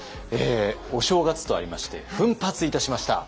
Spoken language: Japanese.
お正月とありまして奮発いたしました。